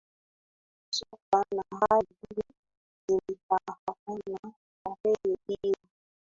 Soka na Ragbi zilifarakana tarehe hiyo